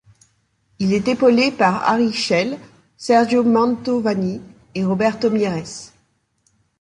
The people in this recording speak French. Il est épaulé par Harry Schell, Sergio Mantovani et Roberto Mieres.